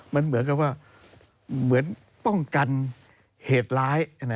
มันเหมือนกับว่าเหมือนป้องกันเหตุร้าย